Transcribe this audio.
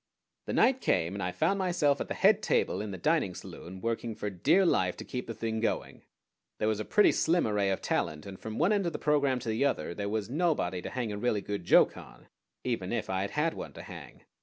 The night came, and I found myself at the head table in the dining saloon working for dear life to keep the thing going. There was a pretty slim array of talent, and from one end of the program to the other there was nobody to hang a really good joke on, even if I had had one to hang.